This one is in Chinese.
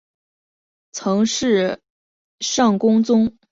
普世圣公宗主教长会议是普世圣公宗各个教省主教长参加的例行会议。